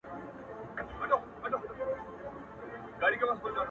دلته وخت دی شهکار کړی ټول یې بېل بېل ازمویلي-